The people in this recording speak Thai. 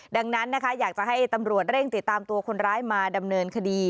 ดังนั้นนะคะอยากจะให้ตำรวจเร่งติดตามตัวคนร้ายมาดำเนินคดี